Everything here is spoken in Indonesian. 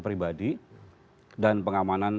pribadi dan pengamanan